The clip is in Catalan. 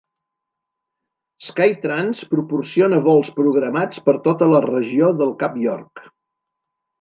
Skytrans proporciona vols programats per tota la regió del Cap York.